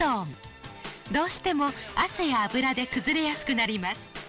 どうしても汗や脂で崩れやすくなります。